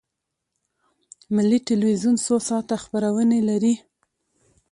ملي تلویزیون څو ساعته خپرونې لري؟